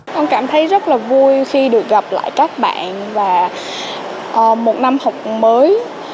con cảm thấy rất là vui khi được gặp lại các bạn và một năm học mới